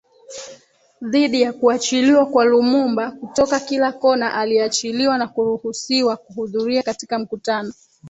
dhidi ya kuachiliwa kwa Lumumba kutoka kila kona aliachiliwa na kuruhusiwa kuhudhuria katika mkutano